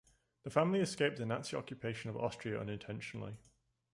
The family escaped the Nazi occupation of Austria unintentionally.